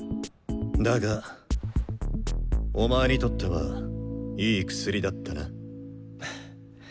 だがお前にとってはいい薬だったな。